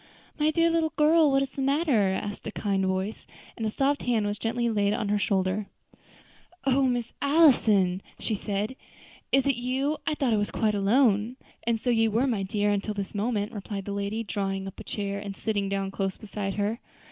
"My dear little girl, what is the matter?" asked a kind voice, and a soft hand was gently laid on her shoulder. The child looked up hastily. "O Miss Allison!" she said, "is it you? I thought I was quite alone." "And so you were, my dear, until this moment" replied the lady, drawing up a chair, and sitting down close beside her.